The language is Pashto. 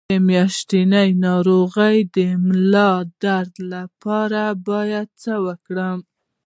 د میاشتنۍ ناروغۍ د ملا درد لپاره باید څه وکړم؟